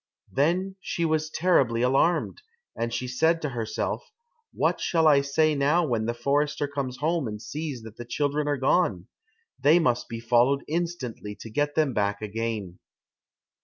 Then she was terribly alarmed, and she said to herself, "What shall I say now when the forester comes home and sees that the children are gone? They must be followed instantly to get them back again."